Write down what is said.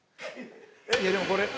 いやでもこれ。